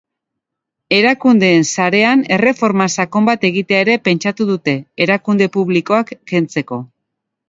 Erakundeen sarean erreforma sakon bat egitea ere pentsatu dute, erakunde publikoak kentzeko.